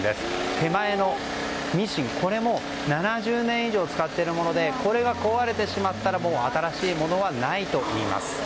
手前のミシンも７０年以上使っているものでこれが壊れてしまったらもう新しいものはないといいます。